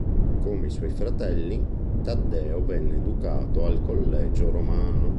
Come i suoi fratelli, Taddeo venne educato al Collegio Romano.